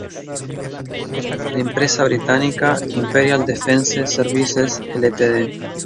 La empresa británica Imperial Defence Services Ltd.